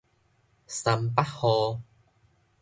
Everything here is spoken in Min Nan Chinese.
三八雨